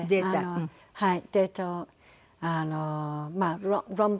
はい。